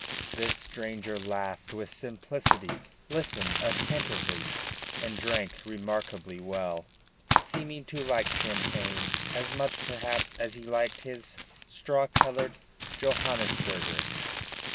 This stranger laughed with simplicity, listened attentively, and drank remarkably well, seeming to like champagne as much perhaps as he liked his straw colored Johannisburger.